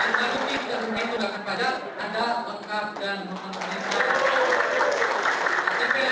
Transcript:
anda lupi dan lupi untuk lupakan pajak ada ongkar dan mengumpulkan